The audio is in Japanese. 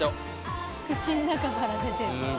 口の中から出てる。